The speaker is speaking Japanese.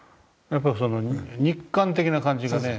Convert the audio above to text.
やっぱり肉感的な感じがね